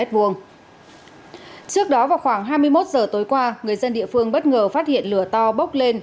trước đó vào khoảng hai mươi một h tối qua người dân địa phương bất ngờ phát hiện lửa to bốc lên